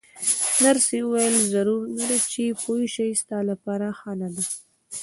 نرسې وویل: ضرور نه ده چې پوه شې، ستا لپاره ښه نه ده.